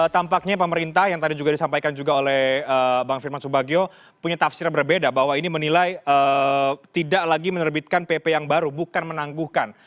tampaknya pemerintah yang tadi juga disampaikan juga oleh bang firman subagio punya tafsir berbeda bahwa ini menilai tidak lagi menerbitkan pp yang baru bukan menangguhkan